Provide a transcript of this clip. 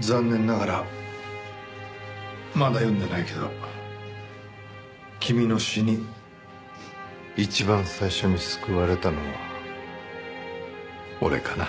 残念ながらまだ読んでないけど君の詩に一番最初に救われたのは俺かな。